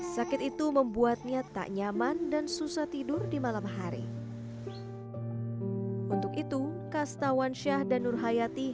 sakit itu membuatnya tak nyaman dan susah tidur di malam hari untuk itu kastawan syah dan nur hayati